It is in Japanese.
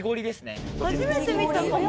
初めて見たかも。